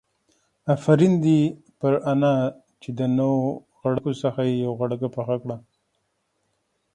آفرين دي پر انا چې د نو غړکو څخه يې يوه غړکه پخه کړه.